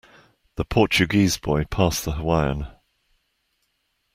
The Portuguese boy passed the Hawaiian.